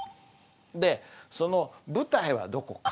でその舞台はどこか？